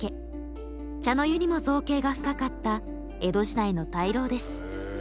茶の湯にも造詣が深かった江戸時代の大老です。